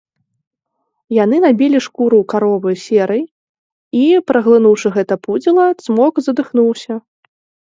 Яны набілі шкуру каровы серай, і, праглынуўшы гэта пудзіла, цмок задыхнуўся.